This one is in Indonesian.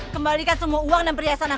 kembalikan semua uang dan perhiasan